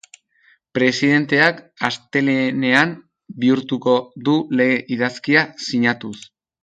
Presidenteak astelehenean bihurtuko du lege, idazkia sinatuz.